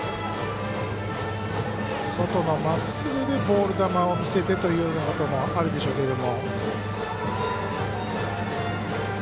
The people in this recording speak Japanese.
外のまっすぐでボール球を見せてというのもあるでしょうけども。